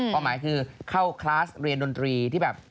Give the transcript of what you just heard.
หมายคือเข้าคลาสเรียนดนตรีที่แบบ